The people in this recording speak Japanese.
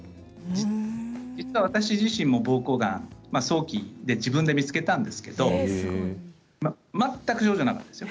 実は、私自身もぼうこうがん早期で自分で見つけたんですけれども全く症状がなかったですよ。